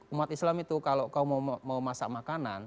umat islam itu kalau kau mau masak makanan